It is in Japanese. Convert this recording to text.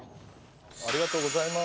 ありがとうございます。